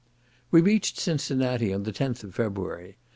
We reached Cincinnati on the 10th of February.